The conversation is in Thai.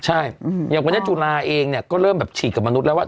ใช่อย่างวันนี้จุฬาเองเนี่ยก็เริ่มแบบฉีดกับมนุษย์แล้วว่า